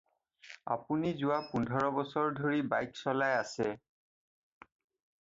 আপুনি যোৱা পোন্ধৰবছৰ ধৰি বাইক চলাই আছে।